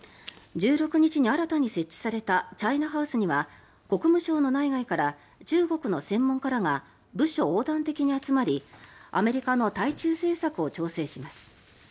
１６日に新たに設置されたチャイナ・ハウスには国務省の内外から中国の専門家らが部署横断的に集まりアメリカの対中政策を調整します。